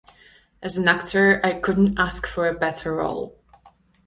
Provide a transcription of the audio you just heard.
As an actor I couldn't ask for a better role.